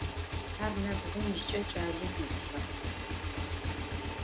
Ar nebğuzç'e ç'alem yêplhığ.